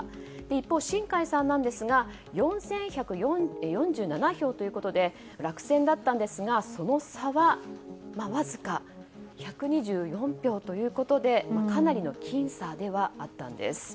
一方、新開さんなんですが４１４７票ということで落選だったんですがその差は、わずか１２４票でかなりの僅差ではあったんです。